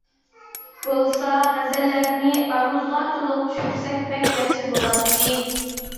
بولسا، غەزەللەرنى ئارۇزغا تولۇق چۈشۈرسەك بەك ياخشى بولاتتى.